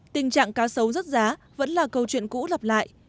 tình trạng cá sấu rớt giá vẫn là câu chuyện cũ lặp lại